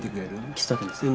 喫茶店ですか？